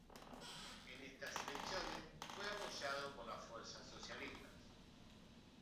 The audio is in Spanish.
En estas elecciones fue apoyado por las fuerzas socialistas.